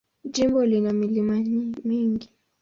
Jimbo lina milima mingi.